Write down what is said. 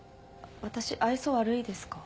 私愛想悪いですか？